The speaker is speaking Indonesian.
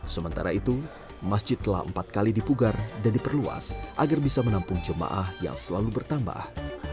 sementara itu masjid telah empat kali dipugar dan diperluas agar bisa menampung jemaah yang selalu bertambah